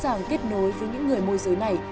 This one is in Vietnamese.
chúng tôi dễ dàng kết nối với những người môi giới này